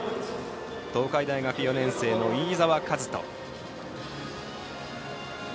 東海大学４年生の飯澤千翔。